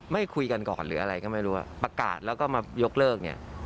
ไม่คุยกันก่อนหรืออะไรก็ไม่รู้ประกาศแล้วก็มายกเลิกเนี่ย